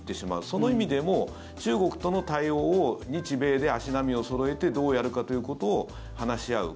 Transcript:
その意味でも、中国との対応を日米で足並みをそろえてどうやるかということを話し合う。